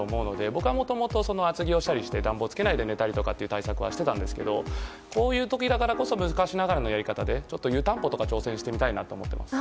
僕はもともと厚着をしたりして暖房をつけないで寝たりとかの対策はしていたんですがこういう時こそ昔ながらのやり方で湯たんぽとか挑戦してみたいなと思います。